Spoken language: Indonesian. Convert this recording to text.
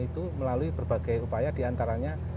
itu melalui berbagai upaya diantaranya